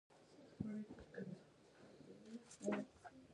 ازادي راډیو د بیکاري د اغیزو په اړه مقالو لیکلي.